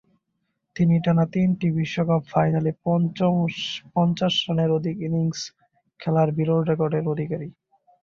তিনি টানা তিনটি বিশ্বকাপ ফাইনালে পঞ্চাশ রানের অধিক ইনিংস খেলার বিরল রেকর্ডের অধিকারী।